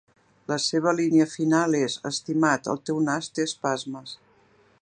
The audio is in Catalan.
La seva línia final és "Estimat, el teu nas té espasmes".